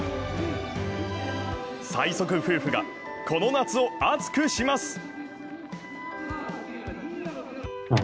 最速夫婦がこの夏を熱くします。